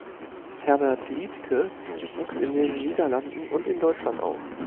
Herbert Liedtke wuchs in den Niederlanden und in Deutschland auf.